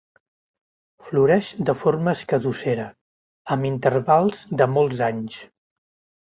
Floreix de forma escadussera, amb intervals de molts anys.